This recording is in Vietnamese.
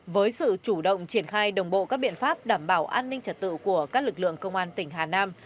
với sự chủ động triển khai đồng bộ các biện pháp đảm bảo an ninh trật tự của các lực lượng công an tỉnh hà nam